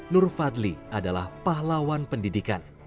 nur fadli adalah pahlawan pendidikan